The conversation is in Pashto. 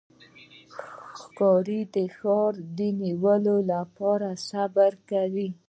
ښکاري د ښکار د نیولو لپاره صبر کوي.